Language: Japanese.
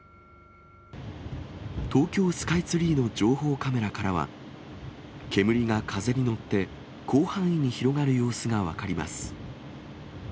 東京スカイツリーの情報カメラからは、煙が風に乗って、広範囲に広がる様子が分かります。